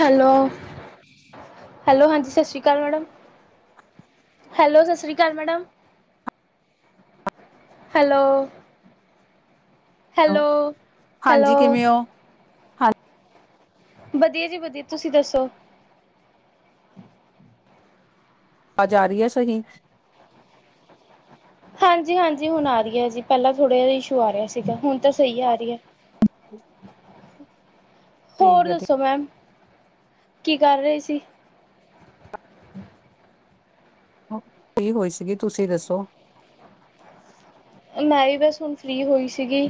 Hello, hello, ਹਾਂਜੀ ਸਤਿ ਸ਼੍ਰੀ ਅਕਾਲ ਮੈਡਮ, ਹੈਲੋ ਸਤਿ ਸ਼੍ਰੀ ਅਕਾਲ ਮੈਡਮ, ਹੈਲੋ ਹੈਲੋ, ਹਾਂਜੀ ਹੈਲੋ ਕਿਵੇਂ ਹੋ? ਹਾਂ ਵਧੀਆ ਜੀ, ਵਧੀਆ ਤੁਸੀਂ ਦੱਸੋ। ਆਵਾਜ਼ ਆ ਰਹੀ ਹੈ ਸਹੀ? ਹਾਂਜੀ -ਹਾਂਜੀ ਹੁਣ ਆ ਰਹੀ ਹੈ ਜੀ, ਪਹਿਲਾਂ ਥੋੜ੍ਹਾ ਜਿਹਾ ਇਸ਼ੂ ਆ ਰਿਹਾ ਸੀਗਾ, ਹੁਣ ਤਾਂ ਸਹੀ ਆ ਰਹੀ ਹੈ। [unintelligible] ਠੀਕ ਹੋਰ ਹੈ ਠੀਕ। ਦੱਸੋ ਮੈਮ? ਕੀ ਕਰ ਰਹੇ ਸੀ? ਸੁੱਤੀ ਹੋਈ ਸੀਗੀ, ਤੁਸੀਂ ਦੱਸੋ। ਮੈਂ ਵੀ ਬਸ ਹੁਣ ਫ੍ਰੀ ਹੋਈ ਸੀਗੀ,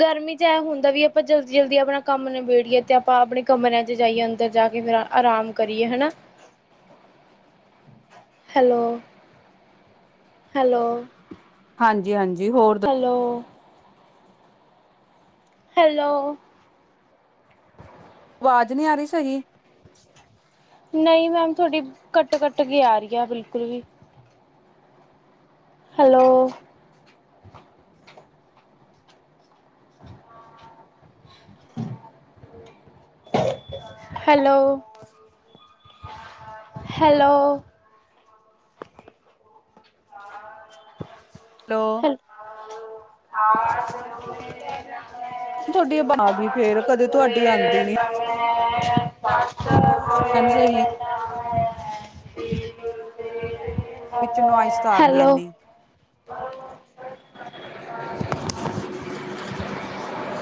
ਗਰਮੀ ਚ ਇਹ ਹੁੰਦਾ ਵੀ ਆਪਾਂ ਜਲਦੀ- ਜਲਦੀ ਆਪਣਾ ਕੰਮ ਨਿਬੇੜੀਏ ਤੇ ਆਪਾਂ ਆਪਣੇ ਕਮਰਿਆਂ ਚ ਜਾਈਏ ਅੰਦਰ ਜਾ ਕੇ ਫਿਰ ਆਰਾਮ ਕਰੀਏ ਹਨਾ, ਹੈਲੋ- ਹੈਲੋ। ਹਾਂਜੀ -ਹਾਂਜੀ। Hello hello? ਆਵਾਜ਼ ਨਹੀਂ ਆ ਰਹੀ ਸਹੀ। ਨਹੀਂ ਮੈਮ, ਥੋਡੀ ਕੱਟ- ਕੱਟ ਗਿਆ ਆ ਰਹੀ ਆ, ਬਿਲਕੁਲ ਵੀ ਹੈਲੋ? ਹਮ। ਹੈਲੋ? ਹੈਲੋ? ਹੈਲੋ। ਹੈਲੋ? [unintelligible] ਤੁਹਾਡੀ ਆਵਾਜ਼ ਗਈ ਫੇਰ, ਕਦੇ ਤੁਹਾਡੀ ਆਉਂਦੀ ਨੀ ਅ [inaudible] ਐਮ ਸੋਰੀ [unintelligible] [unintelligible] ਵਿੱਚ ਨੁਇਸ ਤਾ ਆ ਗਈ ਏਨੀ। ਹ [unintelligible] [unintelligible]